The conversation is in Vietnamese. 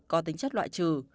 có tính chất loại trừ